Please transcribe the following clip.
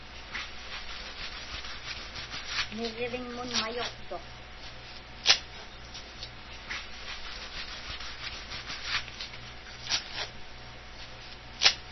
Niġġiviŋmun mayuqtuq.